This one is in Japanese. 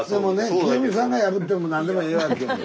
清水さんが破っても何でもええわけよ。